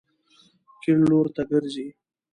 کیڼ لوري ته ګرځئ